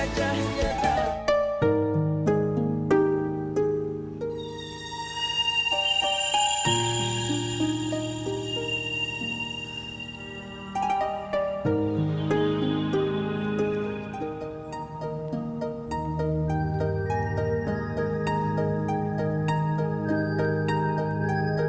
yuk dong kita coba